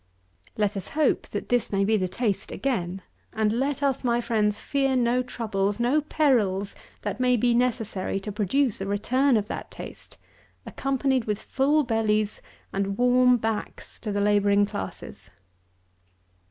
Let us hope that this may be the taste again; and let us, my friends, fear no troubles, no perils, that may be necessary to produce a return of that taste, accompanied with full bellies and warm backs to the labouring classes.